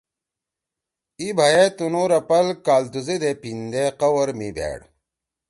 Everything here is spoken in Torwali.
ای بھئی ئے تنُو رپل کالتُوزیدے پیِندے قوَر می بھیڑ۔